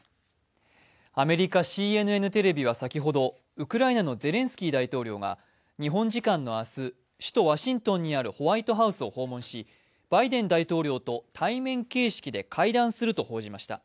ウクライナのゼレンスキー大統領が日本時間の明日、首都ワシントンにあるホワイトハウスを訪問しバイデン大統領と対面形式で会談すると報じました。